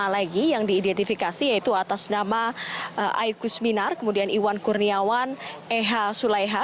lima lagi yang diidentifikasi yaitu atas nama aikus minar kemudian iwan kurniawan eha sulaiha